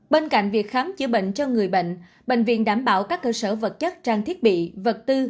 bên cạnh việc khám chữa bệnh cho người bệnh bệnh viện đảm bảo các cơ sở vật chất trang thiết bị vật tư